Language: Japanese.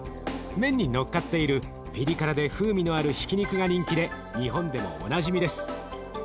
麺にのっかっているピリ辛で風味のあるひき肉が人気で日本でもおなじみです。